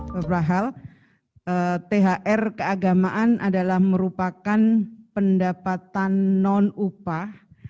berbahal thr keagamaan adalah merupakan pendapatan non upah